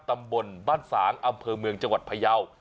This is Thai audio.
ตำบลบ้านสางอำเภอเมืองจังหวัดพยาว